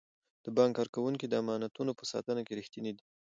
د بانک کارکوونکي د امانتونو په ساتنه کې ریښتیني دي.